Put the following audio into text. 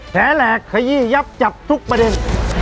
แหลกขยี้ยับจับทุกประเด็น